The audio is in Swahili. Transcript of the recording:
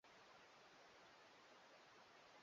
inaweza kumaanisha kuwa watafanya siku moja kwa mfano